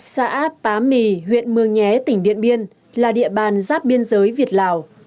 xã pá mì huyện mường nhé tỉnh điện biên là địa bàn giáp biên giới việt lào